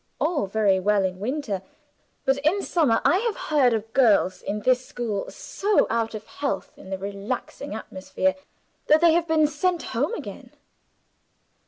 All very well in winter; but in summer I have heard of girls in this school so out of health in the relaxing atmosphere that they have been sent home again."